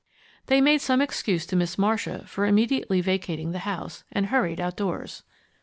They made some excuse to Miss Marcia for immediately vacating the house, and hurried outdoors.